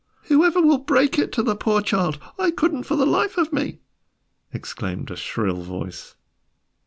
"Whoever will break it to the poor child? I couldn't for the life of me!" exclaimed a shrill voice.